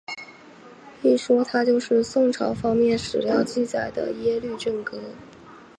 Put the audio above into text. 一说他就是宋朝方面史料记载的耶律郑哥。